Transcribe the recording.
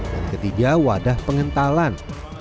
dan ketiga wadah pengentalan